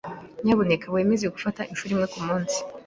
Nyamuneka wemeze gufata inshuro imwe kumunsi.